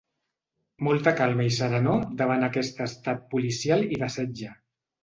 Molta calma i serenor davant aquest estat policial i de setge.